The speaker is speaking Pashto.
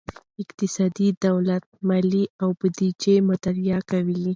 اقتصاد د دولت مالیې او بودیجه مطالعه کوي.